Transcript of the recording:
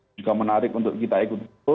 juga menarik untuk kita ikuti